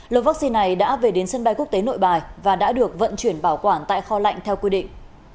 lô vaccine này đã về đến sân bay quốc tế nội bài và đã được vận chuyển bảo quản tại kho lạnh theo quy định